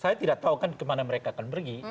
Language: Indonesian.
saya tidak tahu kan kemana mereka akan pergi